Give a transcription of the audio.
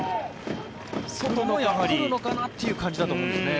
来るのかな？という感じだと思いますね。